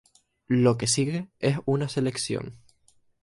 Lo que sigue es una selección.